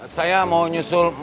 saya mau nyusul mainkan buku ini